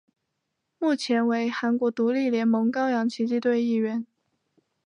目前为韩国独立联盟高阳奇迹队一员。